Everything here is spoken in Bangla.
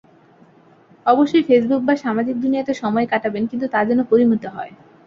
অবশ্যই ফেসবুক বা সামাজিক দুনিয়াতে সময় কাটাবেন কিন্তু তা যেন পরিমিত হয়।